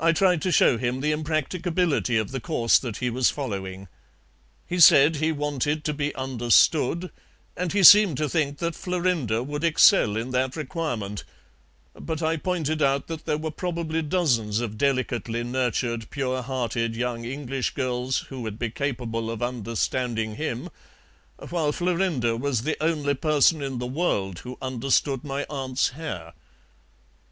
I tried to show him the impracticability of the course that he was following. He said he wanted to be understood, and he seemed to think that Florinda would excel in that requirement, but I pointed out that there were probably dozens of delicately nurtured, pure hearted young English girls who would be capable of understanding him, while Florinda was the only person in the world who understood my aunt's hair.